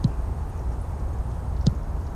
او د دغه عملیاتو مسؤلین